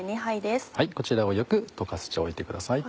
こちらをよく溶かしておいてください。